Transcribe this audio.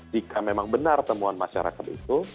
jika memang benar temuan masyarakat itu